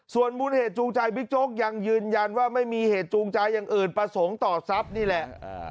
ส่วนมูลเหตุจูงใจบิ๊กโจ๊กยังยืนยันว่าไม่มีเหตุจูงใจอย่างอื่นประสงค์ต่อทรัพย์นี่แหละ